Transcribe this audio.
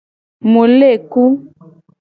Mu le ku.